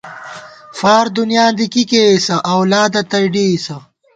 فار دُنیاں دی کی کېئیسہ اولادہ تئ ڈېئیسہ